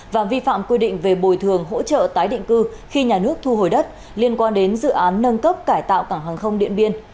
và vi phạm quy định về bồi thường hỗ trợ tái định cư khi nhà nước thu hồi đất liên quan đến dự án nâng cấp cải tạo cảng hàng không điện biên